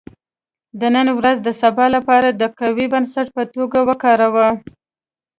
• د نن ورځ د سبا لپاره د قوي بنسټ په توګه وکاروه.